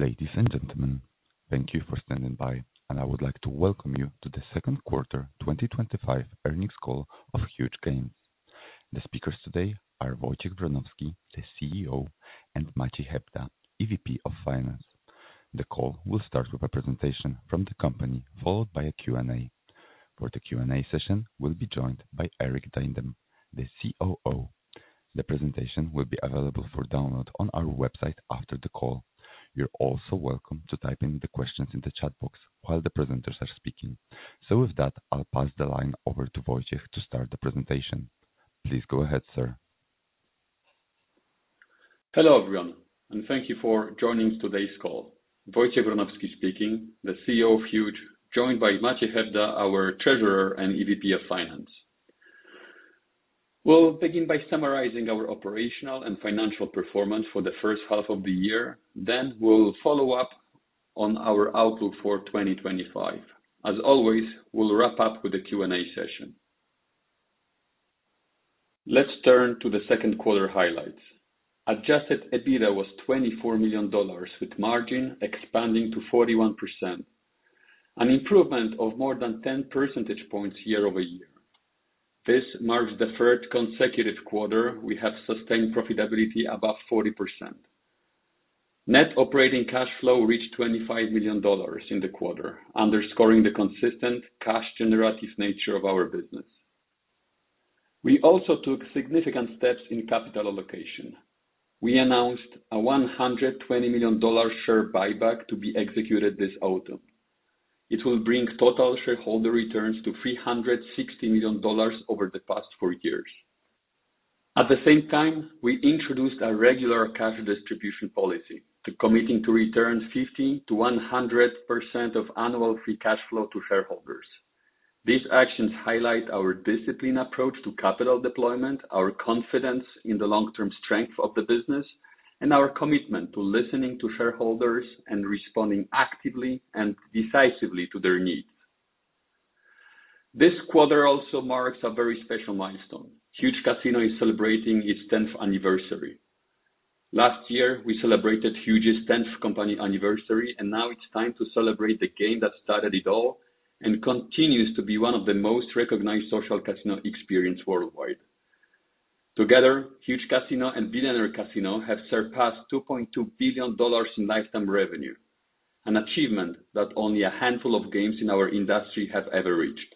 Ladies and gentlemen, thank you for standing by, and I would like to welcome you to the second quarter 2025 earnings call of Huuuge. The speakers today are Wojciech Wronowski, the CEO, and Maciej Hebda, EVP of Finance. The call will start with a presentation from the company, followed by a Q&A. For the Q&A session, we'll be joined by Erik Duindam, the COO. The presentation will be available for download on our website after the call. You're also welcome to type in the questions in the chat box while the presenters are speaking. So with that, I'll pass the line over to Wojciech to start the presentation. Please go ahead, sir. Hello everyone, and thank you for joining today's call. Wojciech Wronowski speaking, the CEO of Huuuge, joined by Maciej Hebda, our treasurer and EVP of Finance. We'll begin by summarizing our operational and financial performance for the first half of the year, then we'll follow up on our outlook for 2025. As always, we'll wrap up with a Q&A session. Let's turn to the second quarter highlights. Adjusted EBITDA was $24 million with margin expanding to 41%, an improvement of more than 10 percentage points year-over-year. This marks the third consecutive quarter we have sustained profitability above 40%. Net operating cash flow reached $25 million in the quarter, underscoring the consistent cash-generative nature of our business. We also took significant steps in capital allocation. We announced a $120 million share buyback to be executed this autumn. It will bring total shareholder returns to $360 million over the past four years. At the same time, we introduced a regular cash distribution policy, committing to return 50%-100% of annual free cash flow to shareholders. These actions highlight our disciplined approach to capital deployment, our confidence in the long-term strength of the business, and our commitment to listening to shareholders and responding actively and decisively to their needs. This quarter also marks a very special milestone. Huuuge Casino is celebrating its 10th anniversary. Last year, we celebrated Huuuge's 10th company anniversary, and now it's time to celebrate the game that started it all and continues to be one of the most recognized social casino experiences worldwide. Together, Huuuge Casino and Billionaire Casino have surpassed $2.2 billion in lifetime revenue, an achievement that only a handful of games in our industry have ever reached.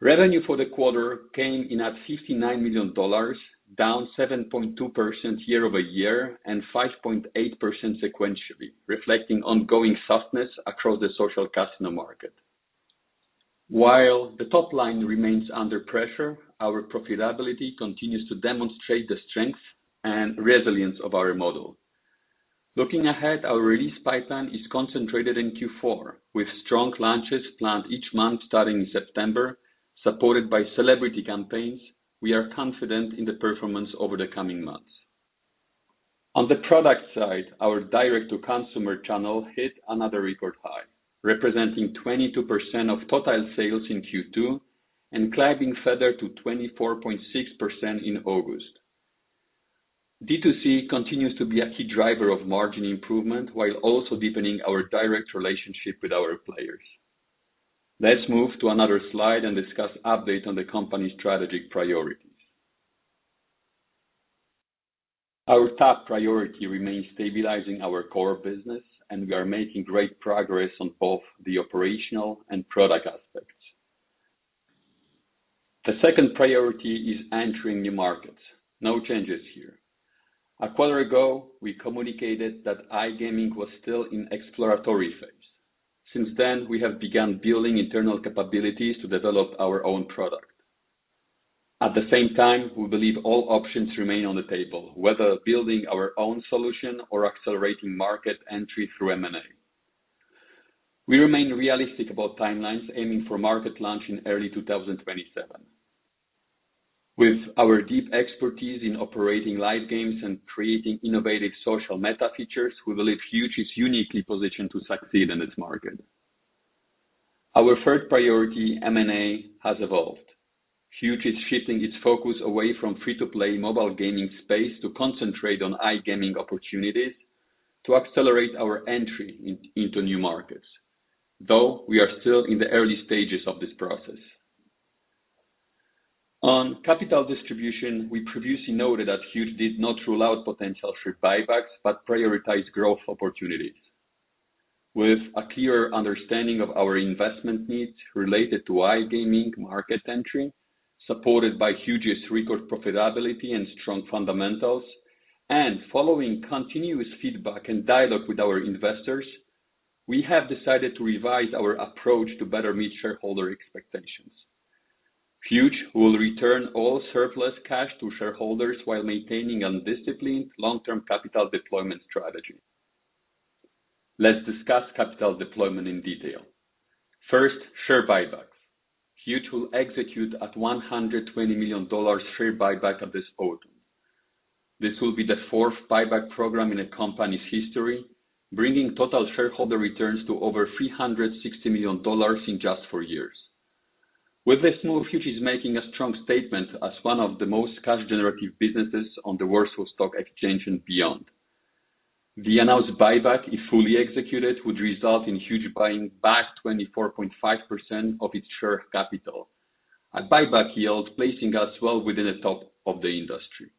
Revenue for the quarter came in at $59 million, down 7.2% year-over-year and 5.8% sequentially, reflecting ongoing softness across the social casino market. While the top line remains under pressure, our profitability continues to demonstrate the strength and resilience of our model. Looking ahead, our release pipeline is concentrated in Q4, with strong launches planned each month starting in September, supported by celebrity campaigns. We are confident in the performance over the coming months. On the product side, our direct-to-consumer channel hit another record high, representing 22% of total sales in Q2 and climbing further to 24.6% in August. D2C continues to be a key driver of margin improvement while also deepening our direct relationship with our players. Let's move to another slide and discuss updates on the company's strategic priorities. Our top priority remains stabilizing our core business, and we are making great progress on both the operational and product aspects. The second priority is entering new markets. No changes here. A quarter ago, we communicated that iGaming was still in exploratory phase. Since then, we have begun building internal capabilities to develop our own product. At the same time, we believe all options remain on the table, whether building our own solution or accelerating market entry through M&A. We remain realistic about timelines, aiming for market launch in early 2027. With our deep expertise in operating live games and creating innovative social meta features, we believe Huuuge is uniquely positioned to succeed in its market. Our third priority, M&A, has evolved. Huuuge is shifting its focus away from free-to-play mobile gaming space to concentrate on iGaming opportunities to accelerate our entry into new markets, though we are still in the early stages of this process. On capital distribution, we previously noted that Huuuge did not rule out potential share buybacks but prioritized growth opportunities. With a clear understanding of our investment needs related to iGaming market entry, supported by Huuuge's record profitability and strong fundamentals, and following continuous feedback and dialogue with our investors, we have decided to revise our approach to better meet shareholder expectations. Huuuge will return all surplus cash to shareholders while maintaining a disciplined long-term capital deployment strategy. Let's discuss capital deployment in detail. First, share buybacks. Huuuge will execute a $120 million share buyback this autumn. This will be the fourth buyback program in a company's history, bringing total shareholder returns to over $360 million in just four years. With this move, Huuuge is making a strong statement as one of the most cash-generative businesses on the Warsaw Stock Exchange and beyond. The announced buyback, if fully executed, would result in Huuuge buying back 24.5% of its share capital, a buyback yield placing us well within the top of the industry.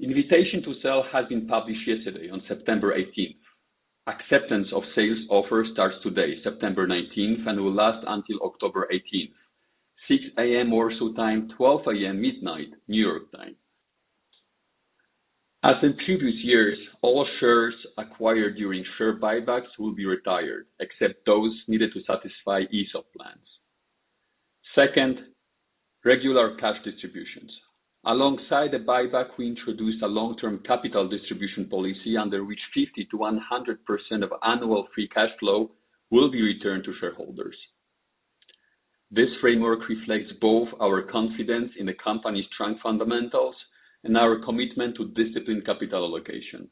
Invitation to sell has been published yesterday, on September 18th. Acceptance of sales offers starts today, September 19th, and will last until October 18th, 6:00 A.M. Warsaw time, 12:00 A.M. midnight, New York time. As in previous years, all shares acquired during share buybacks will be retired, except those needed to satisfy ESOP plans. Second, regular cash distributions. Alongside the buyback, we introduced a long-term capital distribution policy under which 50%-100% of annual free cash flow will be returned to shareholders. This framework reflects both our confidence in the company's strong fundamentals and our commitment to disciplined capital allocation.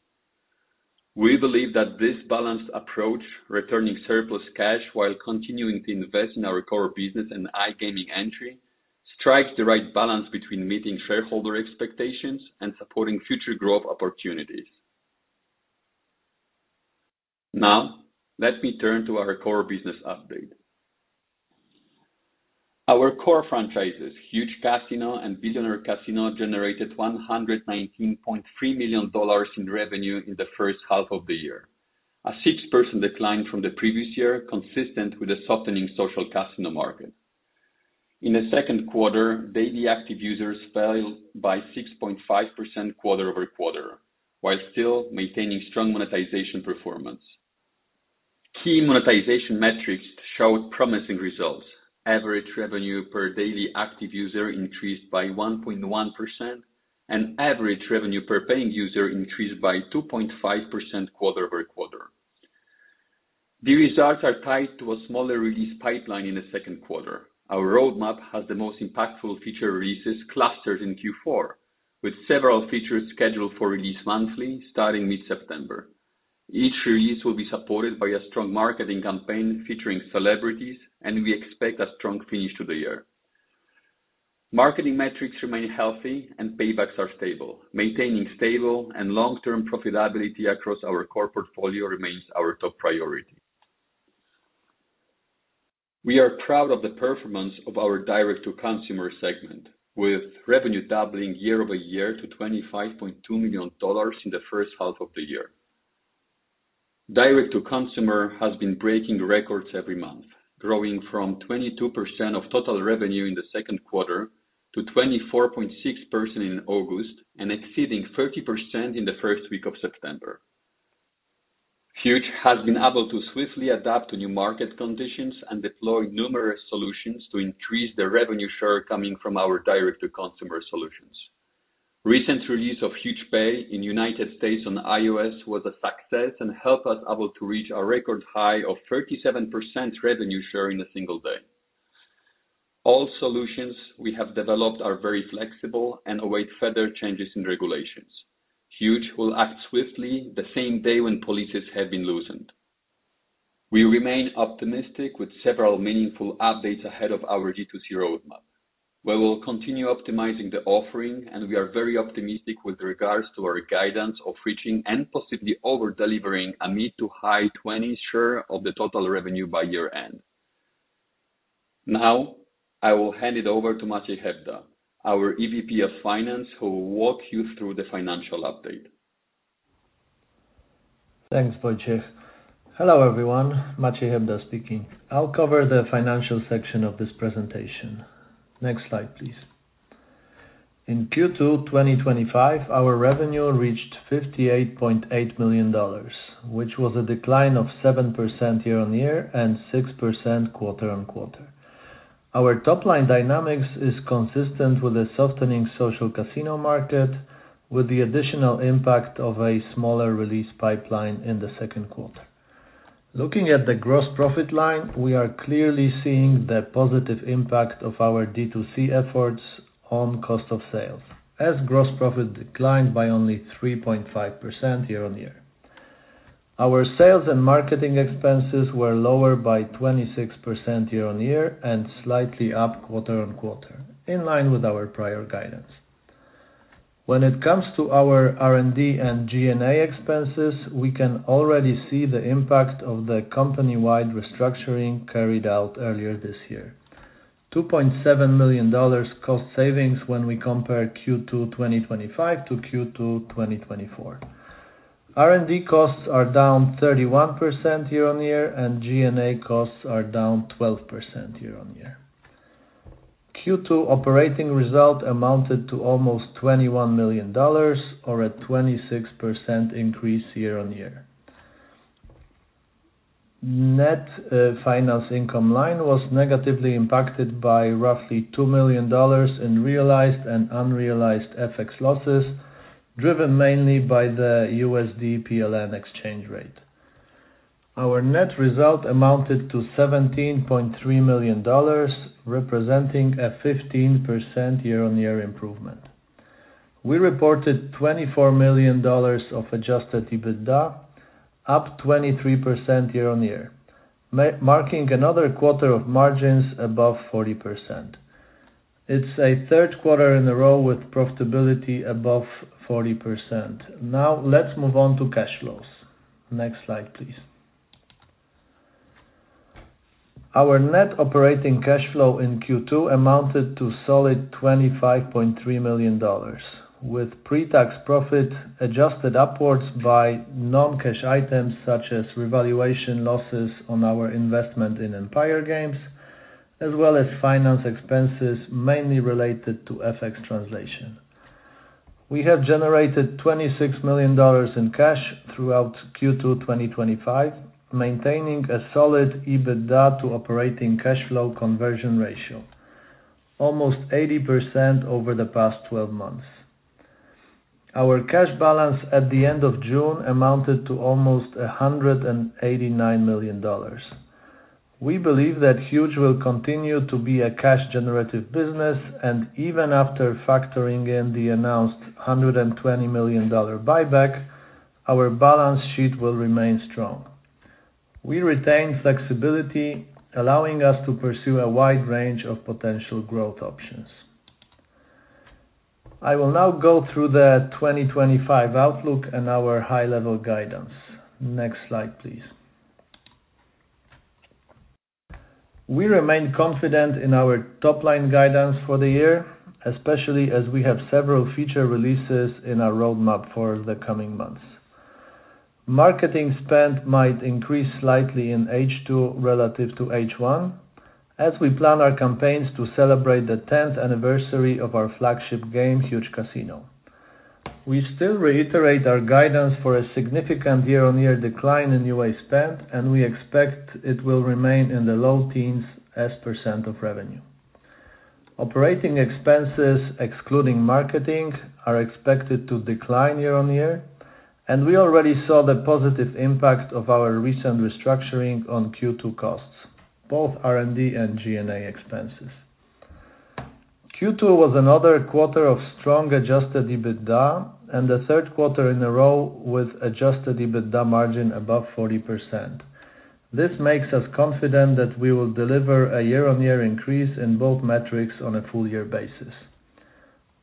We believe that this balanced approach, returning surplus cash while continuing to invest in our core business and iGaming entry, strikes the right balance between meeting shareholder expectations and supporting future growth opportunities. Now, let me turn to our core business update. Our core franchises, Huuuge Casino and Billionaire Casino, generated $119.3 million in revenue in the first half of the year, a 6% decline from the previous year, consistent with a softening social casino market. In the second quarter, daily active users fell by 6.5% quarter over quarter, while still maintaining strong monetization performance. Key monetization metrics showed promising results: average revenue per daily active user increased by 1.1%, and average revenue per paying user increased by 2.5% quarter over quarter. The results are tied to a smaller release pipeline in the second quarter. Our roadmap has the most impactful feature releases clustered in Q4, with several features scheduled for release monthly starting mid-September. Each release will be supported by a strong marketing campaign featuring celebrities, and we expect a strong finish to the year. Marketing metrics remain healthy, and paybacks are stable. Maintaining stable and long-term profitability across our core portfolio remains our top priority. We are proud of the performance of our direct-to-consumer segment, with revenue doubling year-over-year to $25.2 million in the first half of the year. Direct-to-consumer has been breaking records every month, growing from 22% of total revenue in the second quarter to 24.6% in August and exceeding 30% in the first week of September. Huuuge has been able to swiftly adapt to new market conditions and deploy numerous solutions to increase the revenue share coming from our direct-to-consumer solutions. Recent release of Huuuge Pay in the United States on iOS was a success and helped us able to reach a record high of 37% revenue share in a single day. All solutions we have developed are very flexible and await further changes in regulations. Huuuge will act swiftly the same day when policies have been loosened. We remain optimistic with several meaningful updates ahead of our D2C roadmap. We will continue optimizing the offering, and we are very optimistic with regards to our guidance of reaching and possibly over-delivering a mid- to high-20% share of the total revenue by year-end. Now, I will hand it over to Maciej Hebda, our EVP of Finance, who will walk you through the financial update. Thanks, Wojciech. Hello everyone, Maciej Hebda speaking. I'll cover the financial section of this presentation. Next slide, please. In Q2 2025, our revenue reached $58.8 million, which was a decline of 7% year on year and 6% quarter on quarter. Our top line dynamics is consistent with a softening social casino market, with the additional impact of a smaller release pipeline in the second quarter. Looking at the gross profit line, we are clearly seeing the positive impact of our D2C efforts on cost of sales, as gross profit declined by only 3.5% year on year. Our sales and marketing expenses were lower by 26% year on year and slightly up quarter on quarter, in line with our prior guidance. When it comes to our R&D and G&A expenses, we can already see the impact of the company-wide restructuring carried out earlier this year. $2.7 million cost savings when we compare Q2 2025 to Q2 2024. R&D costs are down 31% year on year, and G&A costs are down 12% year on year. Q2 operating result amounted to almost $21 million, or a 26% increase year on year. Net finance income line was negatively impacted by roughly $2 million in realized and unrealized FX losses, driven mainly by the USD/PLN exchange rate. Our net result amounted to $17.3 million, representing a 15% year-on-year improvement. We reported $24 million of adjusted EBITDA, up 23% year on year, marking another quarter of margins above 40%. It's a third quarter in a row with profitability above 40%. Now, let's move on to cash flows. Next slide, please. Our net operating cash flow in Q2 amounted to solid $25.3 million, with pre-tax profit adjusted upwards by non-cash items such as revaluation losses on our investment in Empire Games, as well as finance expenses mainly related to FX translation. We have generated $26 million in cash throughout Q2 2025, maintaining a solid EBITDA to operating cash flow conversion ratio, almost 80% over the past 12 months. Our cash balance at the end of June amounted to almost $189 million. We believe that Huuuge will continue to be a cash-generative business, and even after factoring in the announced $120 million buyback, our balance sheet will remain strong. We retain flexibility, allowing us to pursue a wide range of potential growth options. I will now go through the 2025 outlook and our high-level guidance. Next slide, please. We remain confident in our top line guidance for the year, especially as we have several feature releases in our roadmap for the coming months. Marketing spend might increase slightly in H2 relative to H1, as we plan our campaigns to celebrate the 10th anniversary of our flagship game, Huuuge Casino. We still reiterate our guidance for a significant year-on-year decline in UA spend, and we expect it will remain in the low teens as percent of revenue. Operating expenses, excluding marketing, are expected to decline year-on-year, and we already saw the positive impact of our recent restructuring on Q2 costs, both R&D and G&A expenses. Q2 was another quarter of strong Adjusted EBITDA and the third quarter in a row with Adjusted EBITDA margin above 40%. This makes us confident that we will deliver a year-on-year increase in both metrics on a full-year basis.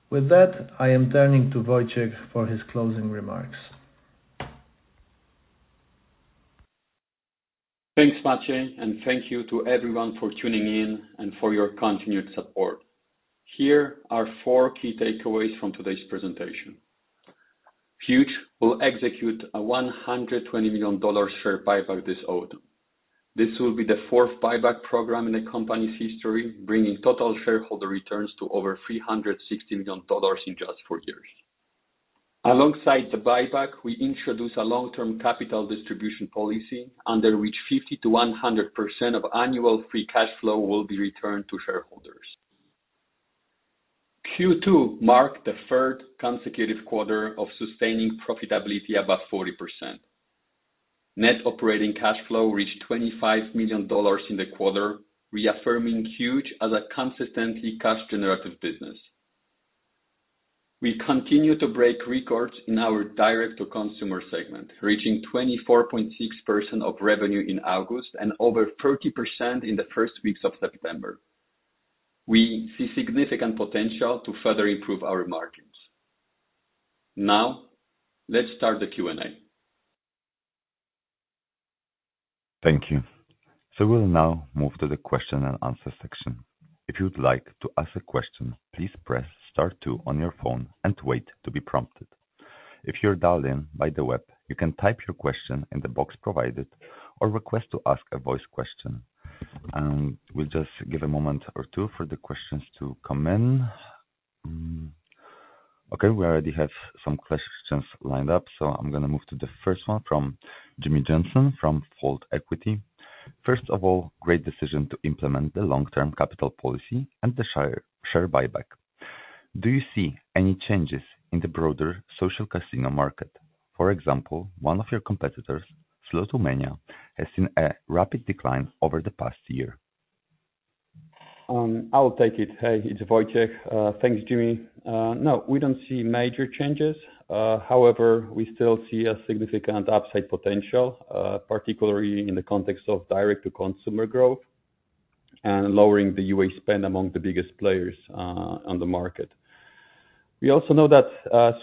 With that, I am turning to Wojciech for his closing remarks. Thanks, Maciej, and thank you to everyone for tuning in and for your continued support. Here are four key takeaways from today's presentation. Huuuge will execute a $120 million share buyback this autumn. This will be the fourth buyback program in the company's history, bringing total shareholder returns to over $360 million in just four years. Alongside the buyback, we introduced a long-term capital distribution policy under which 50%-100% of annual free cash flow will be returned to shareholders. Q2 marked the third consecutive quarter of sustaining profitability above 40%. Net operating cash flow reached $25 million in the quarter, reaffirming Huuuge as a consistently cash-generative business. We continue to break records in our direct-to-consumer segment, reaching 24.6% of revenue in August and over 30% in the first weeks of September. We see significant potential to further improve our margins. Now, let's start the Q&A. Thank you. So we'll now move to the question and answer section. If you'd like to ask a question, please press star two on your phone and wait to be prompted. If you're dialed in by the web, you can type your question in the box provided or request to ask a voice question, and we'll just give a moment or two for the questions to come in. Okay, we already have some questions lined up, so I'm going to move to the first one from Jimmy Johnson from Fold Equity. First of all, great decision to implement the long-term capital policy and the share buyback. Do you see any changes in the broader social casino market? For example, one of your competitors, Slotomania, has seen a rapid decline over the past year. I'll take it. Hey, it's Wojciech. Thanks, Jimmy. No, we don't see major changes. However, we still see a significant upside potential, particularly in the context of direct-to-consumer growth and lowering the UA spend among the biggest players on the market. We also know that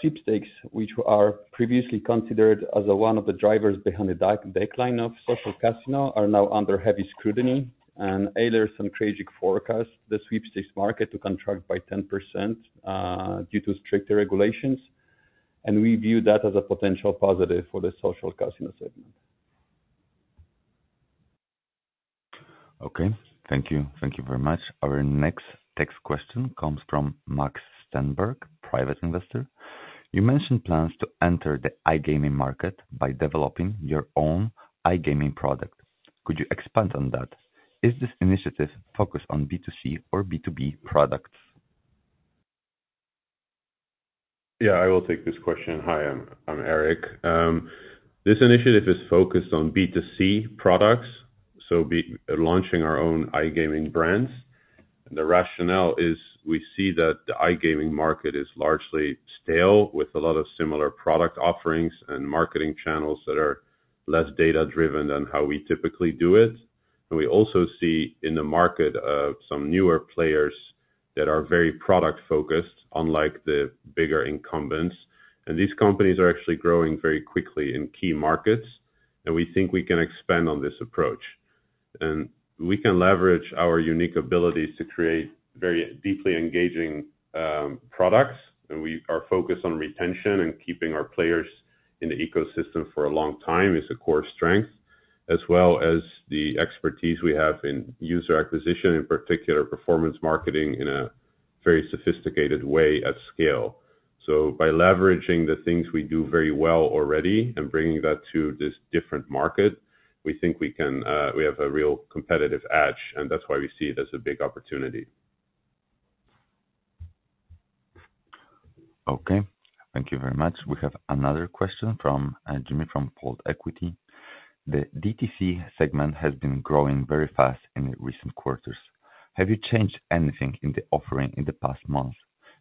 sweepstakes, which were previously considered as one of the drivers behind the decline of social casino, are now under heavy scrutiny, and Eilers & Krejcik forecast the sweepstakes market to contract by 10% due to stricter regulations, and we view that as a potential positive for the social casino segment. Okay, thank you. Thank you very much. Our next text question comes from, Max Stenberg, private investor. You mentioned plans to enter the iGaming market by developing your own iGaming product. Could you expand on that? Is this initiative focused on B2C or B2B products? Yeah, I will take this question. Hi, I'm Erik. This initiative is focused on B2C products, so launching our own iGaming brands, and the rationale is we see that the iGaming market is largely stale, with a lot of similar product offerings and marketing channels that are less data-driven than how we typically do it, and we also see in the market some newer players that are very product-focused, unlike the bigger incumbents. And these companies are actually growing very quickly in key markets, and we think we can expand on this approach, and we can leverage our unique abilities to create very deeply engaging products, and our focus on retention and keeping our players in the ecosystem for a long time is a core strength, as well as the expertise we have in user acquisition, in particular performance marketing in a very sophisticated way at scale. So by leveraging the things we do very well already and bringing that to this different market, we think we have a real competitive edge, and that's why we see it as a big opportunity. Okay, thank you very much. We have another question from Jimmy from Fold Equity. The DTC segment has been growing very fast in the recent quarters. Have you changed anything in the offering in the past month?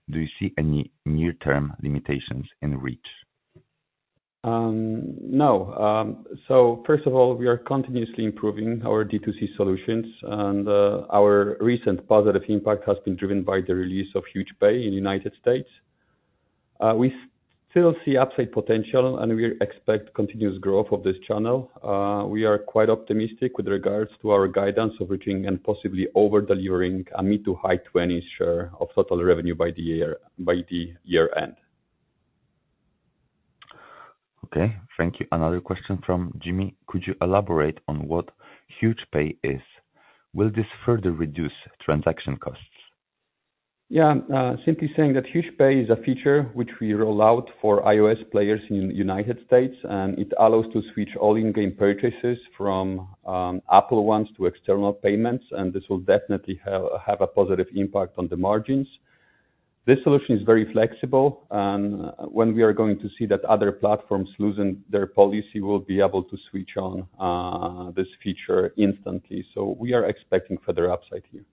Do you see any near-term limitations in reach? No. So first of all, we are continuously improving our D2C solutions, and our recent positive impact has been driven by the release of Huuuge Pay in the United States. We still see upside potential, and we expect continuous growth of this channel. We are quite optimistic with regards to our guidance of reaching and possibly over-delivering a mid- to high-20% share of total revenue by the year-end. Okay, thank you. Another question from Jimmy. Could you elaborate on what Huuuge Pay is? Will this further reduce transaction costs? Yeah, simply saying that Huuuge Pay is a feature which we roll out for iOS players in the United States, and it allows to switch all in-game purchases from Apple ones to external payments, and this will definitely have a positive impact on the margins. This solution is very flexible, and when we are going to see that other platforms losing their policy, we'll be able to switch on this feature instantly, so we are expecting further upside here.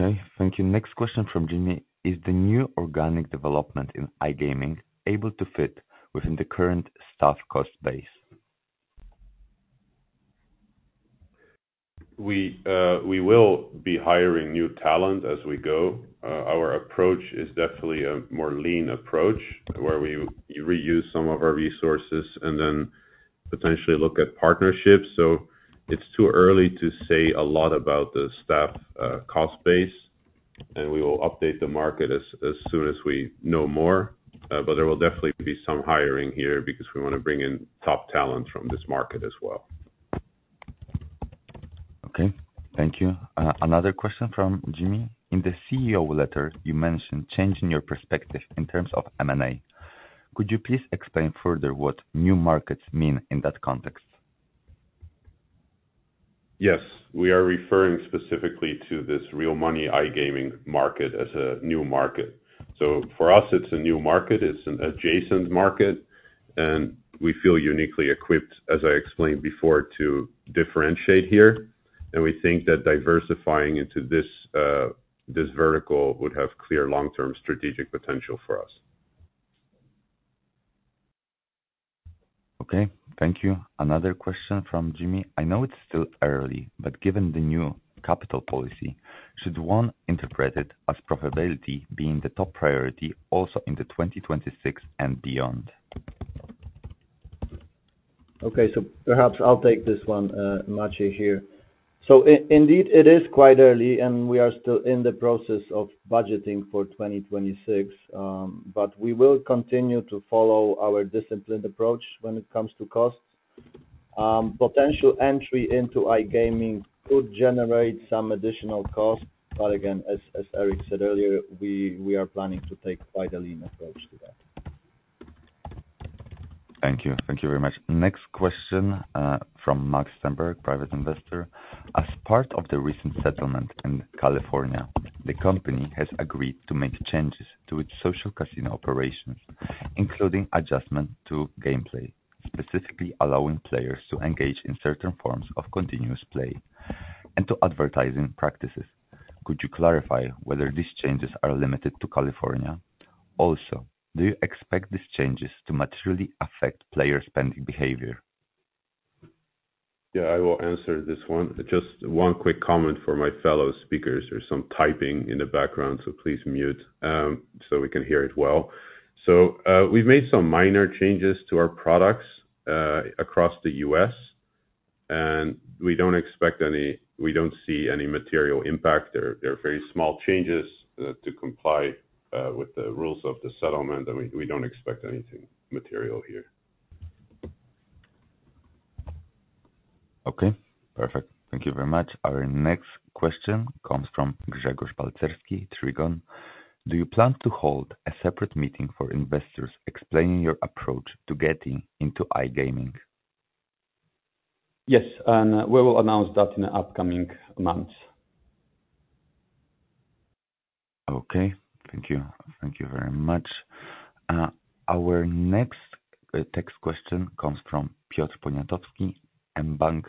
Okay, thank you. Next question from Jimmy. Is the new organic development in iGaming able to fit within the current staff cost base? We will be hiring new talent as we go. Our approach is definitely a more lean approach, where we reuse some of our resources and then potentially look at partnerships. So it's too early to say a lot about the staff cost base, and we will update the market as soon as we know more. But there will definitely be some hiring here because we want to bring in top talent from this market as well. Okay, thank you. Another question from Jimmy. In the CEO letter, you mentioned changing your perspective in terms of M&A. Could you please explain further what new markets mean in that context? Yes, we are referring specifically to this real money iGaming market as a new market. So for us, it's a new market. It's an adjacent market, and we feel uniquely equipped, as I explained before, to differentiate here. And we think that diversifying into this vertical would have clear long-term strategic potential for us. Okay, thank you. Another question from Jimmy. I know it's still early, but given the new capital policy, should one interpret it as profitability being the top priority also in 2026 and beyond? Okay, so perhaps I'll take this one, Maciej here. So indeed, it is quite early, and we are still in the process of budgeting for 2026, but we will continue to follow our disciplined approach when it comes to costs. Potential entry into iGaming could generate some additional costs, but again, as Erik said earlier, we are planning to take quite a lean approach to that. Thank you. Thank you very much. Next question from Max Stenberg, private investor. As part of the recent settlement in California, the company has agreed to make changes to its social casino operations, including adjustment to gameplay, specifically allowing players to engage in certain forms of continuous play and to advertising practices. Could you clarify whether these changes are limited to California? Also, do you expect these changes to materially affect players' spending behavior? Yeah, I will answer this one. Just one quick comment for my fellow speakers. There's some typing in the background, so please mute so we can hear it well. So we've made some minor changes to our products across the U.S., and we don't expect any. We don't see any material impact. They're very small changes to comply with the rules of the settlement, and we don't expect anything material here. Okay, perfect. Thank you very much. Our next question comes from Grzegorz Balcerski, Trigon. Do you plan to hold a separate meeting for investors explaining your approach to getting into iGaming? Yes, and we will announce that in the upcoming months. Okay, thank you. Thank you very much. Our next text question comes from Piotr Poniatowski, mBank.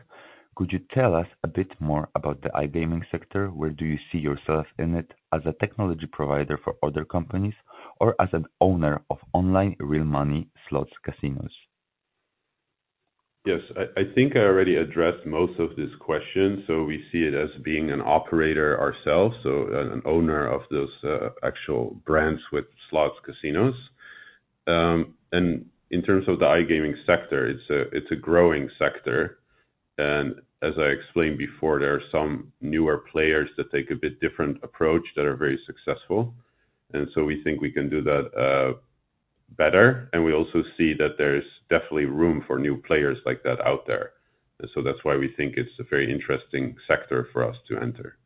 Could you tell us a bit more about the iGaming sector? Where do you see yourself in it as a technology provider for other companies or as an owner of online real money slots casinos? Yes, I think I already addressed most of this question, so we see it as being an operator ourselves, so an owner of those actual brands with slots casinos. And in terms of the iGaming sector, it's a growing sector. And as I explained before, there are some newer players that take a bit different approach that are very successful. And so we think we can do that better. And we also see that there's definitely room for new players like that out there. And so that's why we think it's a very interesting sector for us to enter.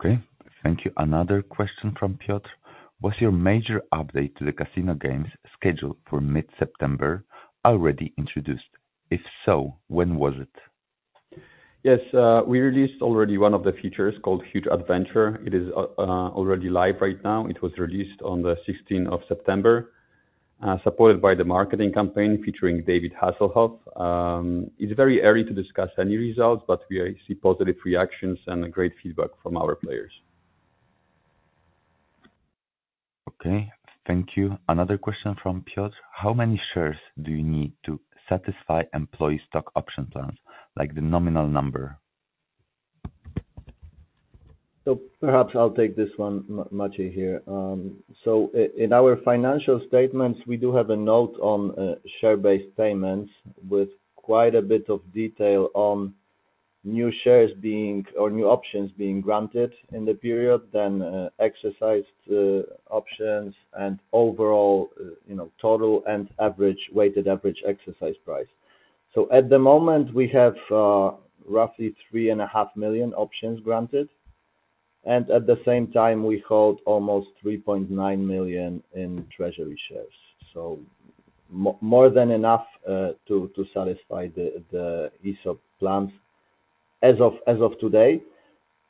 Okay, thank you. Another question from Piotr. Was your major update to the casino games scheduled for mid-September already introduced? If so, when was it? Yes, we released already one of the features called Huuuge Adventure. It is already live right now. It was released on the 16th of September, supported by the marketing campaign featuring David Hasselhoff. It's very early to discuss any results, but we see positive reactions and great feedback from our players. Okay, thank you. Another question from Piotr. How many shares do you need to satisfy employee stock option plans, like the nominal number? So perhaps I'll take this one, Maciej here. So in our financial statements, we do have a note on share-based payments with quite a bit of detail on new shares being or new options being granted in the period, then exercised options, and overall total and average weighted average exercise price. So at the moment, we have roughly 3.5 million options granted. And at the same time, we hold almost 3.9 million in treasury shares. So more than enough to satisfy the ESOP plans as of today.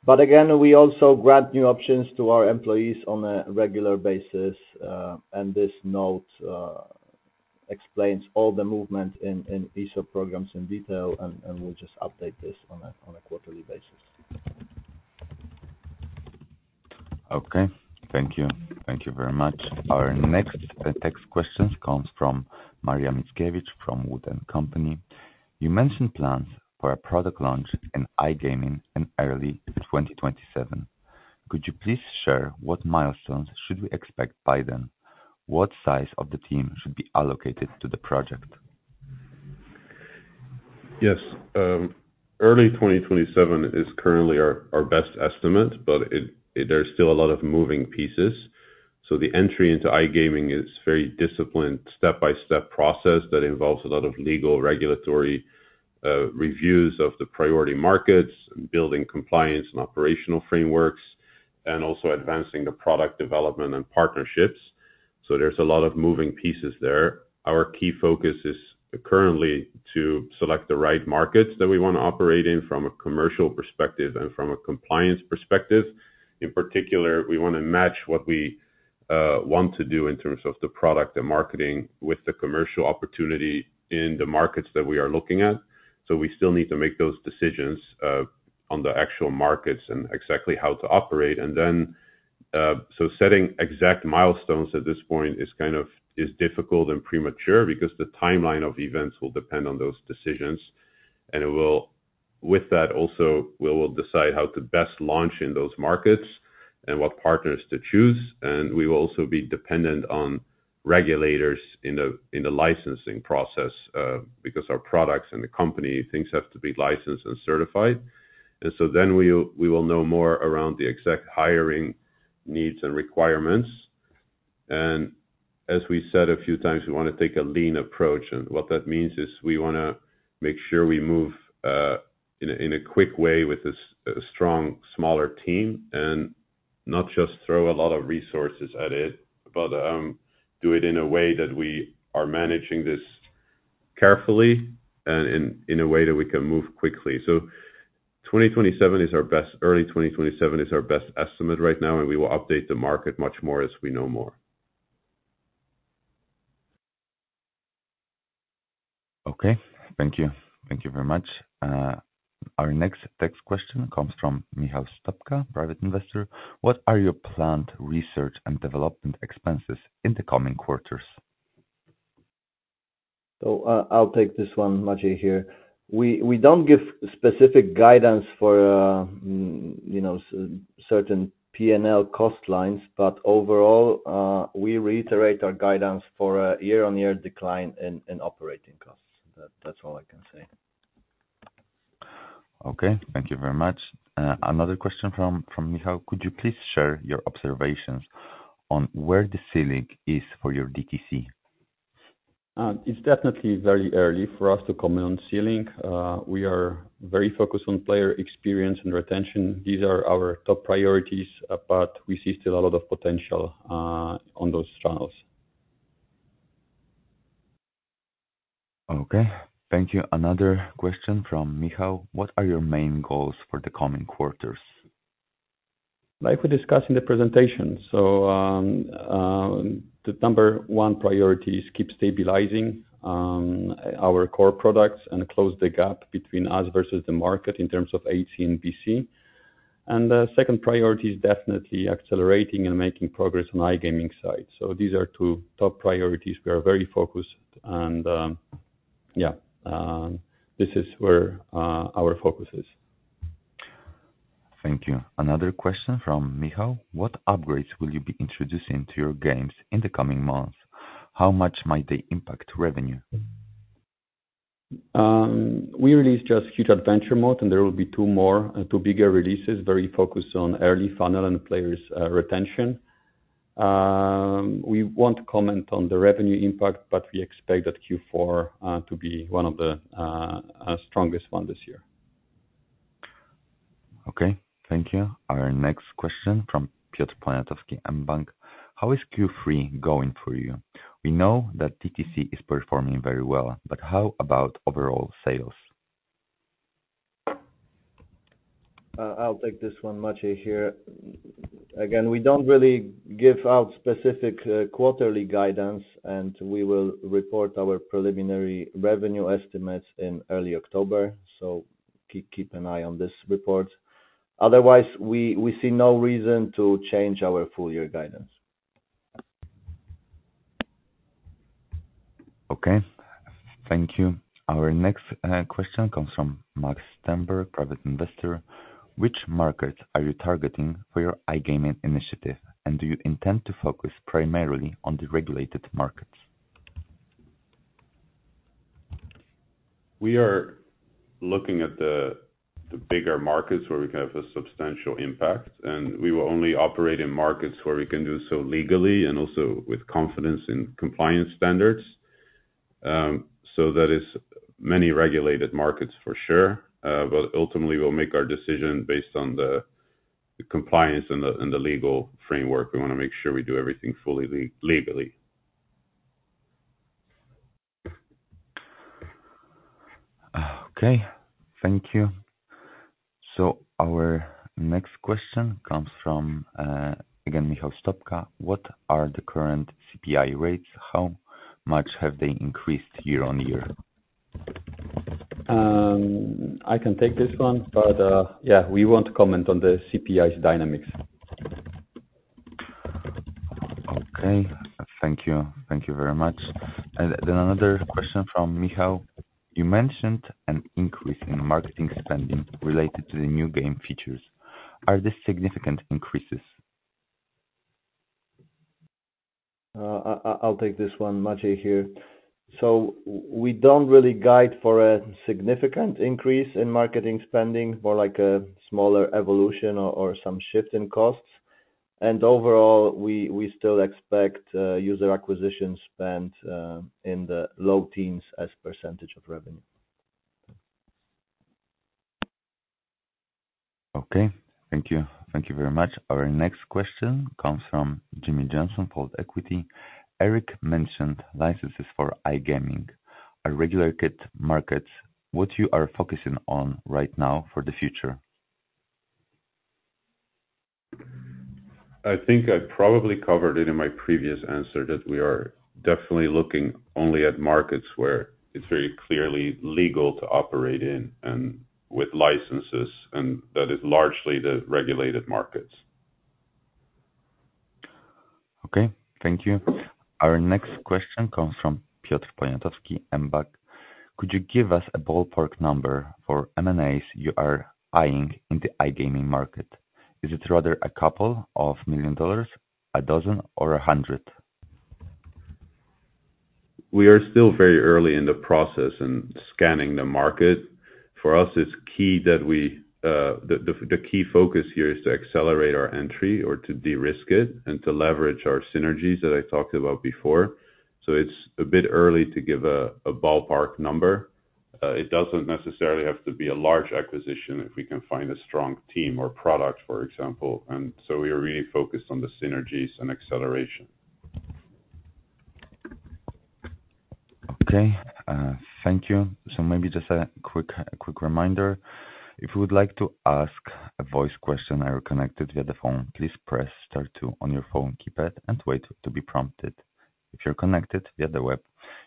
But again, we also grant new options to our employees on a regular basis. And this note explains all the movements in ESOP programs in detail, and we'll just update this on a quarterly basis. Okay, thank you. Thank you very much. Our next text question comes from Maria Mickiewicz from Wood & Company. You mentioned plans for a product launch in iGaming in early 2027. Could you please share what milestones should we expect by then? What size of the team should be allocated to the project? Yes, early 2027 is currently our best estimate, but there's still a lot of moving pieces. So the entry into iGaming is a very disciplined step-by-step process that involves a lot of legal regulatory reviews of the priority markets and building compliance and operational frameworks, and also advancing the product development and partnerships. So there's a lot of moving pieces there. Our key focus is currently to select the right markets that we want to operate in from a commercial perspective and from a compliance perspective. In particular, we want to match what we want to do in terms of the product and marketing with the commercial opportunity in the markets that we are looking at. So we still need to make those decisions on the actual markets and exactly how to operate. And then so setting exact milestones at this point is kind of difficult and premature because the timeline of events will depend on those decisions. And with that, also, we will decide how to best launch in those markets and what partners to choose. And we will also be dependent on regulators in the licensing process because our products and the company, things have to be licensed and certified. And so then we will know more around the exact hiring needs and requirements. And as we said a few times, we want to take a lean approach. And what that means is we want to make sure we move in a quick way with a strong, smaller team and not just throw a lot of resources at it, but do it in a way that we are managing this carefully and in a way that we can move quickly. So, 2027 is our best. Early 2027 is our best estimate right now, and we will update the market much more as we know more. Okay, thank you. Thank you very much. Our next text question comes from Michal Stopka, private investor. What are your planned research and development expenses in the coming quarters? So I'll take this one, Maciej here. We don't give specific guidance for certain P&L cost lines, but overall, we reiterate our guidance for a year-on-year decline in operating costs. That's all I can say. Okay, thank you very much. Another question from Michal. Could you please share your observations on where the ceiling is for your DTC? It's definitely very early for us to comment on ceiling. We are very focused on player experience and retention. These are our top priorities, but we see still a lot of potential on those channels. Okay, thank you. Another question from Michal. What are your main goals for the coming quarters? Like we discussed in the presentation, so the number one priority is to keep stabilizing our core products and close the gap between us versus the market in terms of HC and BC, and the second priority is definitely accelerating and making progress on the iGaming side, so these are two top priorities we are very focused on, and yeah, this is where our focus is. Thank you. Another question from Michal. What upgrades will you be introducing to your games in the coming months? How much might they impact revenue? We released just Huuuge Adventure mode, and there will be two bigger releases, very focused on early funnel and players' retention. We won't comment on the revenue impact, but we expect Q4 to be one of the strongest ones this year. Okay, thank you. Our next question from Piotr Poniatowski, mBank. How is Q3 going for you? We know that DTC is performing very well, but how about overall sales? I'll take this one, Maciej here. Again, we don't really give out specific quarterly guidance, and we will report our preliminary revenue estimates in early October. So keep an eye on this report. Otherwise, we see no reason to change our full-year guidance. Okay, thank you. Our next question comes from Max Stenberg, private investor. Which markets are you targeting for your iGaming initiative, and do you intend to focus primarily on the regulated markets? We are looking at the bigger markets where we can have a substantial impact, and we will only operate in markets where we can do so legally and also with confidence in compliance standards. So that is many regulated markets for sure, but ultimately, we'll make our decision based on the compliance and the legal framework. We want to make sure we do everything fully legally. Okay, thank you. So our next question comes from, again, Michal Stopka. What are the current CPI rates? How much have they increased year-on-year? I can take this one, but yeah, we won't comment on the CPI's dynamics. Okay, thank you. Thank you very much. And then another question from Michal. You mentioned an increase in marketing spending related to the new game features. Are these significant increases? I'll take this one, Maciej here. So we don't really guide for a significant increase in marketing spending, more like a smaller evolution or some shift in costs, and overall, we still expect user acquisition spent in the low teens as a % of revenue. Okay, thank you. Thank you very much. Our next question comes from Jimmy Johnson of Fold Equity. Erik mentioned licenses for iGaming. Our regulated markets, what you are focusing on right now for the future? I think I probably covered it in my previous answer that we are definitely looking only at markets where it's very clearly legal to operate in and with licenses, and that is largely the regulated markets. Okay, thank you. Our next question comes from Piotr Poniatowski, mBank. Could you give us a ballpark number for M&As you are eyeing in the iGaming market? Is it rather a couple of million dollars, a dozen, or a hundred? We are still very early in the process and scanning the market. For us, it's key that the key focus here is to accelerate our entry or to de-risk it and to leverage our synergies that I talked about before, so it's a bit early to give a ballpark number. It doesn't necessarily have to be a large acquisition if we can find a strong team or product, for example, and so we are really focused on the synergies and acceleration. Okay, thank you. So maybe just a quick reminder. If you would like to ask a voice question or connected via the phone, please press star two on your phone keypad and wait to be prompted. If you're connected via the web,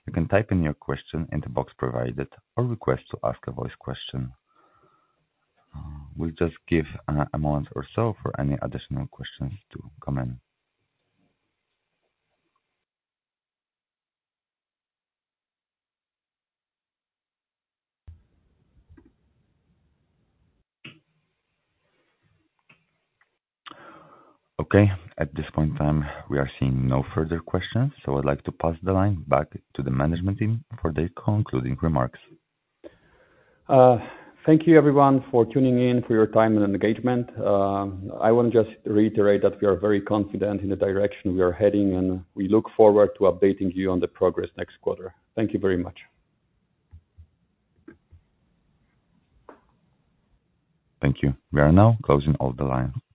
you can type in your question in the box provided or request to ask a voice question. We'll just give a moment or so for any additional questions to come in. Okay, at this point in time, we are seeing no further questions, so I'd like to pass the line back to the management team for their concluding remarks. Thank you, everyone, for tuning in, for your time and engagement. I want to just reiterate that we are very confident in the direction we are heading, and we look forward to updating you on the progress next quarter. Thank you very much. Thank you. We are now closing all the lines.